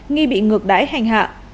nghi bị ngược đái hành hạ